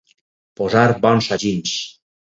Posar bons sagins.